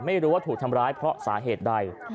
ไม่รู้ว่าถูกทำร้ายเพราะสาเหตุใด